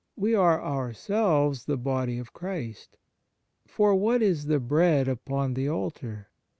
We are ourselves the body of Christ. For what is the bread upon the altar